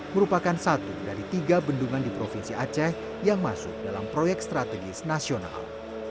merupakan satu dari tiga bendungan di provinsi aceh yang masuk dalam proyek strategis nasional